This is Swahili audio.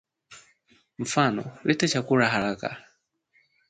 Mfano Lete chakula haraka